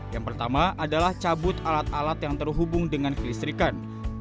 yang pertama adalah cabut alat alat yang terhubung dengan kelistrikan